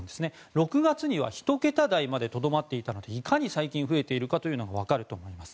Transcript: ６月には１桁台までとどまっていたのでいかに最近増えているかというのがわかると思います。